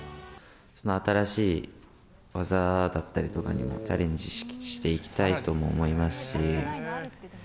その新しい技だったりとかにもチャレンジしていきたいとも思いますし。